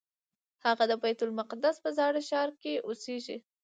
هغه د بیت المقدس په زاړه ښار کې اوسېږي.